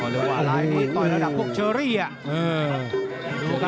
ธรร่ียะ